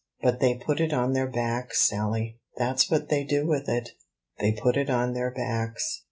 But they put it on their backs, Sally; that's what they do with it; they put it on their backs.